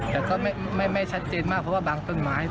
แต่ก็ไม่ชัดเจนมากเพราะว่าบางต้นไม้